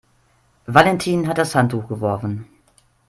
Valentin hat das Handtuch geworfen.